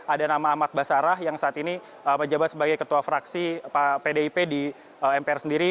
ada nama ahmad basarah yang saat ini menjabat sebagai ketua fraksi pdip di mpr sendiri